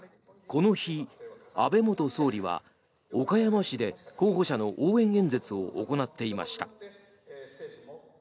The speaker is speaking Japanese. この日、安倍元総理は岡山市で候補者の応援演説を行っていました。